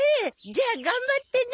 じゃあ頑張ってね